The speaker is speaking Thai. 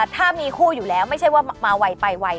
ถ้ามีคู่อยู่แล้วไม่ใช่ว่ามาไวไปไว